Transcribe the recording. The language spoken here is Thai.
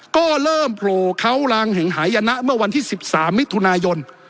ก็เริ่มโผล่เขาลางแห่งหายนะเมื่อวันที่๑๓มิถุนายน